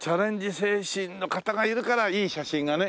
精神の方がいるからいい写真がね。